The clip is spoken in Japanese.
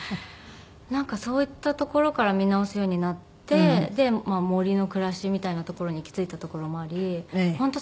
なんかそういったところから見直すようになって森の暮らしみたいなところに行き着いたところもあり本当